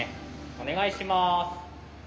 お願いします。